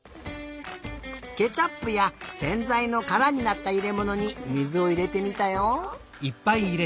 ケチャップやせんざいのからになったいれものに水をいれてみたよ。